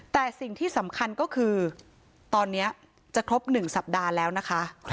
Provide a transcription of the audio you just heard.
แต่สิ่งที่สำคัญก็คือตอนนี้จะครบ๑สัปดาห์แล้วนะคะ